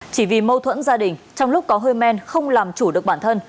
chỉ vì mâu thuẫn gia đình trong lúc có hơi men không làm chủ được bản thân